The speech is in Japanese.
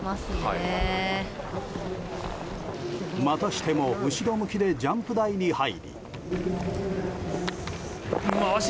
またしても後ろ向きでジャンプ台に入り。